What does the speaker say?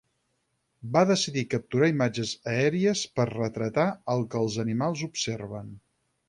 Va decidir capturar imatges aèries per retratar el que els animals observen.